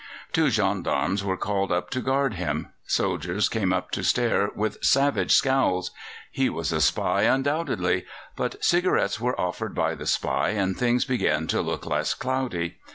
Two gendarmes were called up to guard him; soldiers came up to stare with savage scowls he was a spy undoubtedly; but cigarettes were offered by the spy, and things began to look less cloudy.